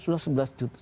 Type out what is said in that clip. sudah sebelas juta